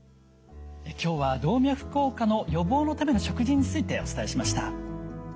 今日は動脈硬化の予防のための食事についてお伝えしました。